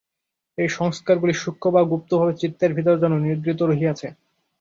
এই সংস্কারগুলি সূক্ষ্ম বা গুপ্তভাবে চিত্তের ভিতর যেন নিদ্রিত রহিয়াছে।